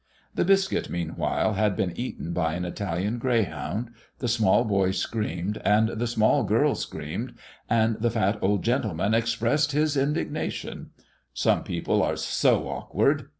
The biscuit, meanwhile, had been eaten by an Italian greyhound; the small boy screamed, and the small girl screamed; the fat old gentleman expressed his indignation some people are so awkward!